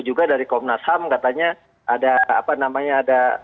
juga dari komnas ham katanya ada apa namanya ada